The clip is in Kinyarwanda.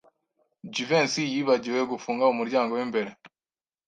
Jivency yibagiwe gufunga umuryango w'imbere.